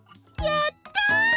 やった！